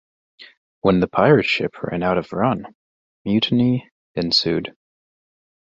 When the pirate ship ran out of run, mutiny ensued.